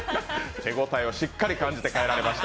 手応えをしっかり感じて帰られました。